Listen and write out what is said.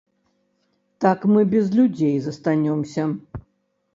Так мы без людзей застанёмся.